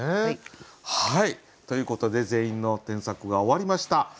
ということで全員の添削が終わりました。